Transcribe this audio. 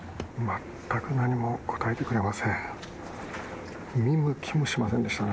全く何も答えてくれません。